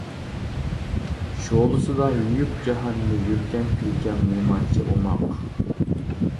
شولىسىدا يۇيۇپ جاھاننى يۈرگەن كۈلكەڭ نېمانچە ئوماق.